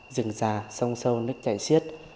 rừng rà sông sâu nước chảy xiết